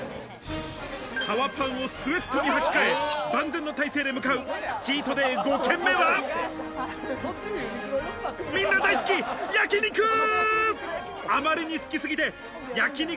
革パンをスウェットにはき替え、万全の態勢で向かうチートデイ５軒目は、みんな大好き焼肉！